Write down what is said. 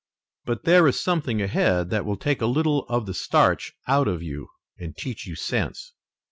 But there is something ahead that will take a little of the starch out of you and teach you sense.